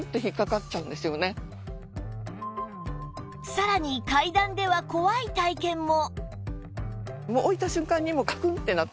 さらに階段では怖い体験も